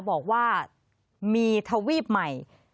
บอกว่ามีทวีปใหม่